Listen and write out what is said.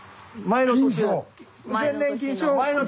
前の年の。